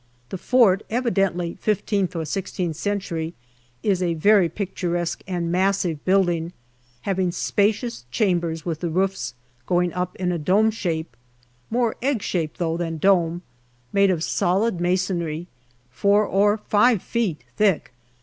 The fort, evidently fifteenth or sixteenth century, is a very picturesque and massive building, having spacious chambers with the roofs going up in a dome shape more egg shape though, than dome made of solid masonry, four or five feet thick.